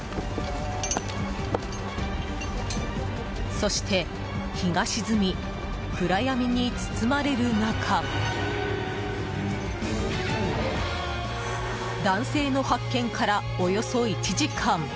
そして、日が沈み暗闇に包まれる中男性の発見から、およそ１時間。